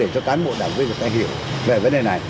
các bộ đảng bây giờ đã hiểu về vấn đề này